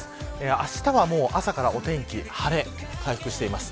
あしたは朝からお天気晴れ回復しています。